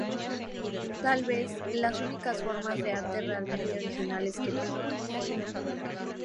Tal vez las únicas formas de arte realmente originales que tenemos"".